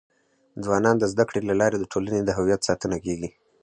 ځوانان د زده کړي له لارې د ټولنې د هویت ساتنه کيږي.